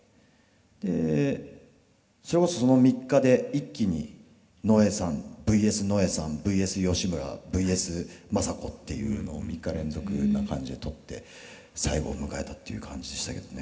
でそれこそその３日で一気にのえさんＶＳのえさんＶＳ義村ＶＳ政子っていうのを３日連続というような感じで撮って最後を迎えたっていう感じでしたけどね。